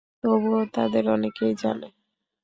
তবুও তাদের অনেকেই জানে না।